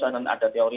akan ada teori